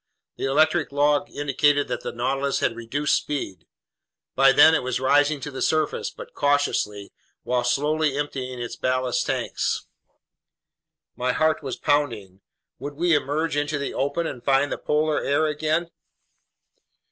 The electric log indicated that the Nautilus had reduced speed. By then it was rising to the surface, but cautiously, while slowly emptying its ballast tanks. My heart was pounding. Would we emerge into the open and find the polar air again?